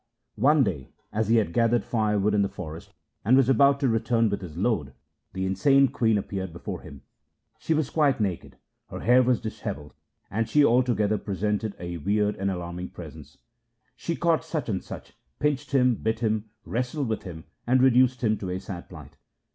One day as he had gathered firewood in the forest and was about to return with his load, the insane queen appeared before him. She was quite naked, her hair was dishevelled, and she altogether presented a weird and alarming appearance. She caught Sachansach, pinched him, bit him, wrestled with him, and re duced him to a sad plight.